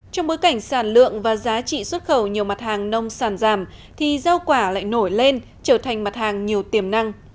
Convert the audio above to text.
trong bối cảnh sản lượng và giá trị xuất khẩu nhiều mặt hàng nông sản giảm thì rau quả lại nổi lên trở thành mặt hàng nhiều tiềm năng